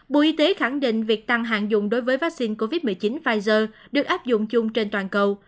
bộ y tế khẳng định việc tăng hàng dùng đối với vaccine covid một mươi chín pfizer được áp dụng chung trên toàn cầu